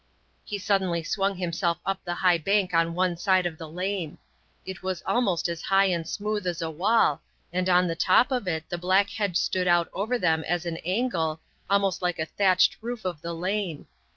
He suddenly swung himself up the high bank on one side of the lane. It was almost as high and smooth as a wall, and on the top of it the black hedge stood out over them as an angle, almost like a thatched roof of the lane.